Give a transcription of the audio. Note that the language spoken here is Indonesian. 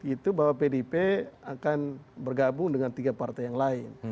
itu bahwa pdip akan bergabung dengan tiga partai yang lain